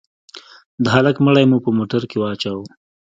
د هلك مړى مو په موټر کښې واچاوه.